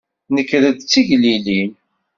Nekrent-d d tigellilin.